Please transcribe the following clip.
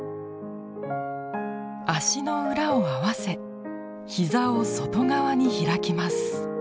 脚の裏を合わせ膝を外側に開きます。